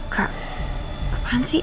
kak apaan sih